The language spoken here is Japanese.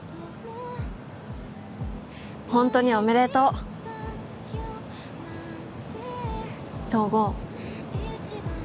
ホントにおめでとう東郷